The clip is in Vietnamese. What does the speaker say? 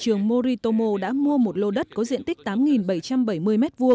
trường moritomo đã mua một lô đất có diện tích tám bảy trăm bảy mươi m hai